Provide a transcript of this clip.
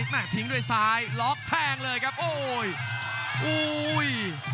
แม่ทิ้งด้วยซ้ายล็อกแทงเลยครับโอ้ยอุ้ย